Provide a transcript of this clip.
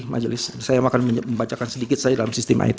majelis saya akan membacakan sedikit saja dalam sistem it